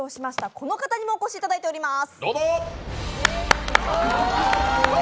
この方にもお越しいただいております。